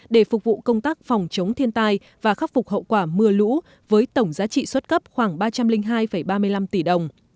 để phục vụ công tác phòng chống thiên tai và khắc phục hậu quả mưa lũ với tổng giá trị xuất cấp khoảng ba trăm linh hai ba mươi năm tỷ đồng